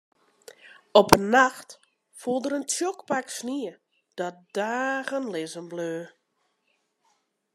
Op in nacht foel der in tsjok pak snie dat dagen lizzen bleau.